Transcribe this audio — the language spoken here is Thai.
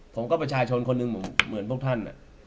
ประชาชนคนหนึ่งเหมือนพวกท่าน